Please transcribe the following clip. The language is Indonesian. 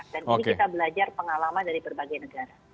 dan ini kita belajar pengalaman dari berbagai negara